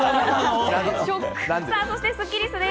そしてスッキりす。